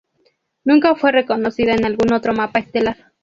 Nunca fue reconocida en algún otro mapa estelar.